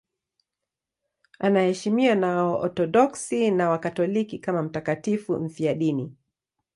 Anaheshimiwa na Waorthodoksi na Wakatoliki kama mtakatifu mfiadini.